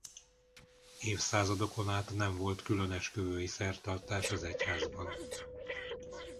Évszázadokon át nem volt külön esküvői szertartás az egyházban.